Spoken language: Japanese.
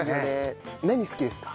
何好きですか？